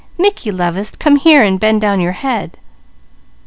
"Mickey lovest, come here and bend down your head."